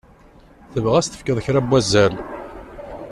Tebɣa ad s-tefkeḍ kra n wazal.